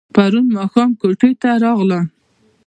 پرون ماښام کوټې ته راغلم.